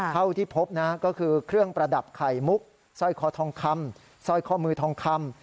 เท่าที่พบนะก็คือเครื่องประดับไข่มุกสร้อยคอทองคำสร้อยข้อมือทองคำ